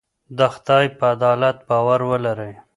د خدای په عدالت باور ولرئ.